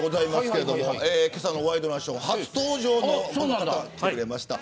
けさのワイドナショー初登場の方が来てくれました。